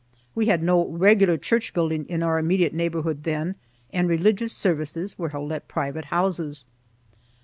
(We had no regular church building in our immediate neighborhood then, and religious services were held at private houses.)